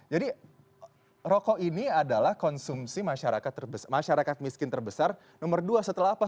jadi rokok ini adalah konsumsi masyarakat miskin terbesar nomor dua setelah apa